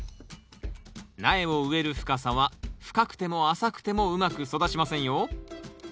苗を植える深さは深くても浅くてもうまく育ちませんよ。